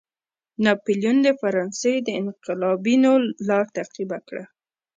ناپلیون د فرانسې د انقلابینو لار تعقیب کړه.